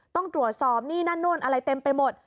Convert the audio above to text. ต้องตรวจสอบนี่นั่นนู่นอะไรเต็มไปหมด